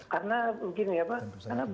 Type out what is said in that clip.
karena begini ya pak